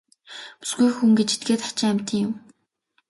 Бүсгүй хүн гэж этгээд хачин амьтан юм.